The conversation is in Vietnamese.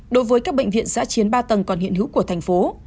đối với các bệnh viện giã chiến ba tầng còn hiện hữu của thành phố